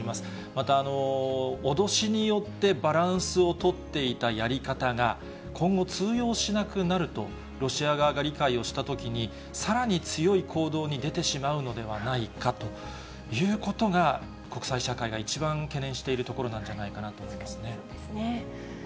また、脅しによってバランスを取っていたやり方が、今後通用しなくなると、ロシア側が理解をしたときに、さらに強い行動に出てしまうのではないかということが、国際社会が一番懸念しているところなんじゃないかなと思いますね。